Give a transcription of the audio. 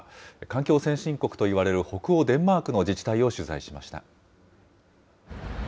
環境先進国といわれる北欧デンマークの自治体を取材しました。